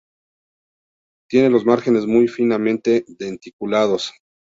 Tiene los márgenes muy finamente denticulados.